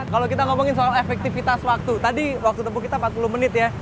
kalau kita ngomongin soal efektivitas waktu tadi waktu tempuh kita empat puluh menit ya